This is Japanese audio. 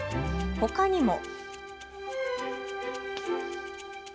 ほかにも。